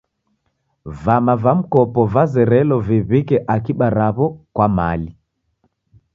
Vama va mikopo vazerelo viw'ike akiba ra'wo kwa mali.